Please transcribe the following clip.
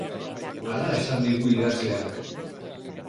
Hala esan digu idazleak.